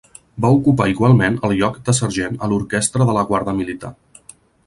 Va ocupar igualment el lloc de sergent a l'orquestra de la guarda militar.